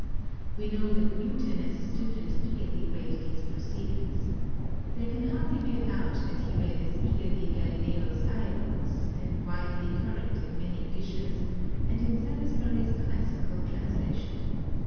We know that Newton as a student eagerly read these Proceedings. There can hardly be a doubt that he read as eagerly Galileo's Dialogues^ then widely current in many editions and in Salusbury's classical translation.